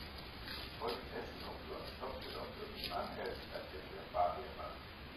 Ich wollte testen, ob du am Stoppschild auch wirklich anhältst, erklärte der Fahrlehrer.